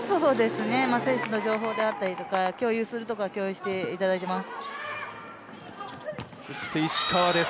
選手の情報であったり共有するところは共有させていただいています。